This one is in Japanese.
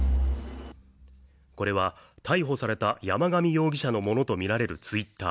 これは逮捕された山上容疑者のものとみられるＴｗｉｔｔｅｒ。